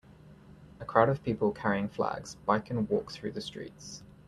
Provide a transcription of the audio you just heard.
A crowd of people carrying flags bike and walk through the streets.